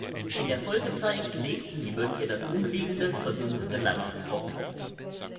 In der Folgezeit legten die Mönche das umliegende, versumpfte Land trocken.